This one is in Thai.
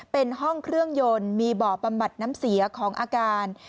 เป็นห้องเครื่องยนต์มีบ่อบำบัดน้ำเสียของอาการ